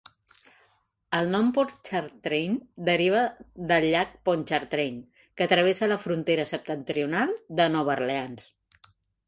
El nom Pontchartrain deriva del llac Pontchartrain, que travessa la frontera septentrional de Nova Orleans.